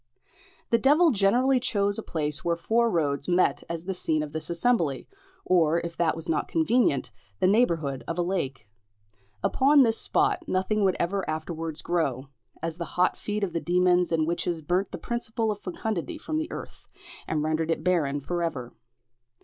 The devil generally chose a place where four roads met as the scene of this assembly, or if that was not convenient, the neighbourhood of a lake. Upon this spot nothing would ever afterwards grow, as the hot feet of the demons and witches burnt the principle of fecundity from the earth, and rendered it barren for ever.